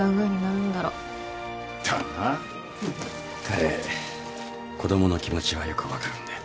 彼子供の気持ちはよく分かるんで。